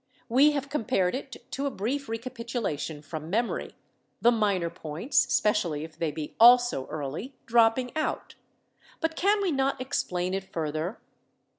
We have com pared it to a brief recapitulation from memory — the minor points, especially if they be also early, dropping out. But can we not explain it further?